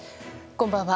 こんばんは。